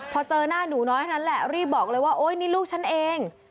พอเจอหน้าหนูน้อยเท่านั้นแหละรีบบอกเลยว่าโอ๊ยนี่ลูกฉันเอง